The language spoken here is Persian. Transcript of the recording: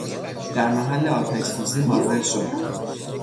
در محل آتشسوزی حاضر شد